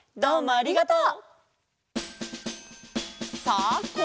ありがとう。